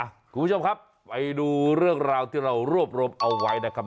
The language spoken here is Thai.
คุณผู้ชมครับไปดูเรื่องราวที่เรารวบรวมเอาไว้นะครับ